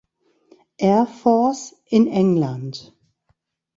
Air Force in England.